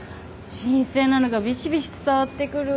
新鮮なのがビシビシ伝わってくる。